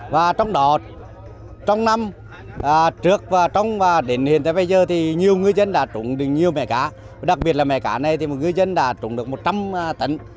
và trong đó trong năm trước và trong và đến hiện tại bây giờ thì nhiều ngư dân đã trúng được nhiều mẻ cá đặc biệt là mẻ cá này thì một ngư dân đã trúng được một trăm linh tấn